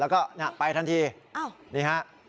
แล้วก็ไปทันทีนี่ฮะ